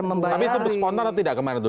tapi itu spontan atau tidak kemarin itu